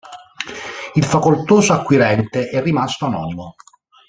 Il facoltoso acquirente è rimasto anonimo.